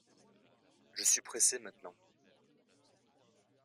Je suis pressé maintenant.